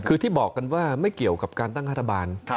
คือที่บอกกันว่าไม่เกี่ยวกับการตั้งรัฐบาล